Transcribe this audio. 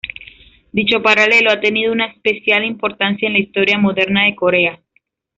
Dicho paralelo ha tenido una especial importancia en la historia moderna de Corea.